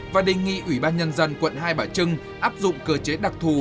và đề nghị ủy ban nhân dân quận hai bà trưng áp dụng cơ chế đặc thù